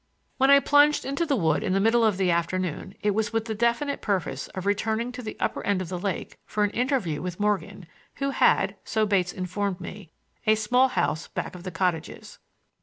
When I plunged into the wood in the middle of the afternoon it was with the definite purpose of returning to the upper end of the lake for an interview with Morgan, who had, so Bates informed me, a small house back of the cottages.